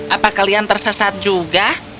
apa kalian tersesat juga